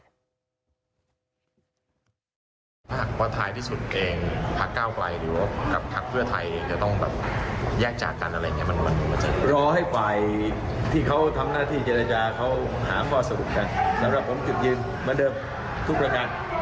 สำหรับผมจุดยืนเมื่อเดิมทุกประการ